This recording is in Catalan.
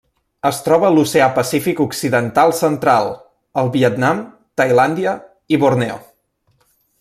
Es troba a l'Oceà Pacífic occidental central: el Vietnam, Tailàndia i Borneo.